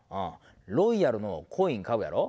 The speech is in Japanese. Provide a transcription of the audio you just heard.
ロイヤルのコイン買うやろ？